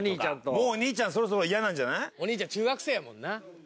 もうお兄ちゃん、そろそろ嫌お兄ちゃん、中学生やもんな。